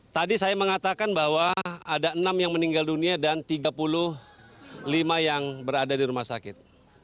tadi saya mengatakan bahwa ada enam yang meninggal dunia dan tiga puluh lima yang berada di rumah sakit